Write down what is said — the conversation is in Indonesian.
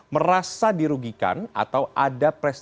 merasa dirugikan atau ada presiden